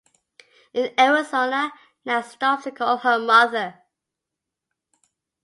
In Arizona, Nan stops to call her mother.